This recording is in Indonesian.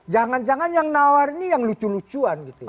jangan jangan yang nawarin ini yang lucu lucuan gitu